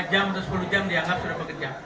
dua jam atau sepuluh jam dianggap sudah bekerja